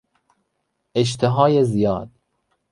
اشتهای زیاد